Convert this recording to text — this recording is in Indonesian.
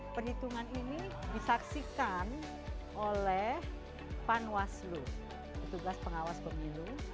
perhitungan ini disaksikan oleh panwaslu petugas pengawas pemilu